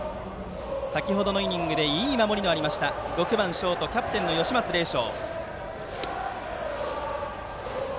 先程のイニングでいい守りのあった、６番ショートキャプテンの吉松礼翔。